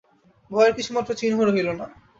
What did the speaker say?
ভয়ের কিছুমাত্র চিহ্ন রহিল না।